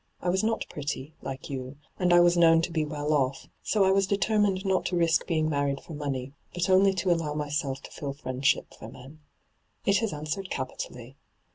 I was not pretty, like you, and I was known to be well off, so I hyGoo>^lc ENTRAPPED 165 was determined not to risk being married for money, but only to allow myself to feel firiend ahip for men. It has answered capitally.